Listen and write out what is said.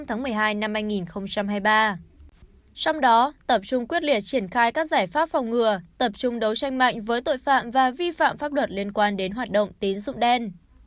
trong đó tập trung quyết liệt triển khai các giải pháp phòng ngừa tập trung đấu tranh mạnh với tội phạm và vi phạm pháp luật liên quan đến hoạt động tín dụng đen